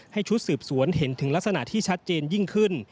ชุดสืบสวนเห็นถึงลักษณะที่ชัดเจนยิ่งขึ้น